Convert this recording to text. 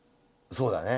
そうだね。